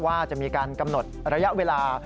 ว่าจะมีการกำหนดระยะเวลา